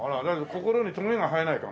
心にとげが生えないかな？